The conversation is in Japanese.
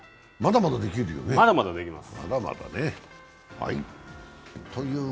まだまだできます。